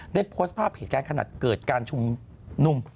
ได้โพสต์ภาพเหตุการณ์ขนาดเกิดการชุมนุม